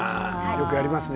よくやりますね